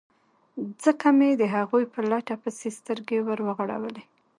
ځکه مې د هغوی په لټه پسې سترګې ور وغړولې.